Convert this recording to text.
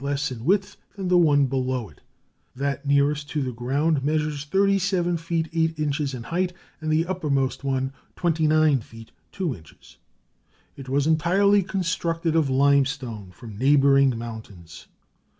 less in width than the one below it; that nearest to the ground measures 37 ft. 8 in. in height, and the uppermost one 29 ft. 2 in. It was entirely constructed of limestone from neighboring mountains.